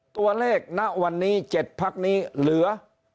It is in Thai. ตัวเลขณวันนี้๗ภักดิ์นี้เหลือ๒๔๕